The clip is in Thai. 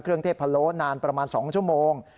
เครื่องเทศพะโล้นานประมาณ๒ชั่วโมง